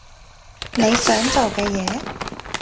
你想做嘅嘢？